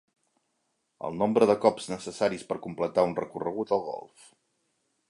El nombre de cops necessaris per completar un recorregut al golf.